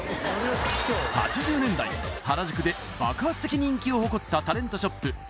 ８０年代原宿で爆発的人気を誇ったタレントショップ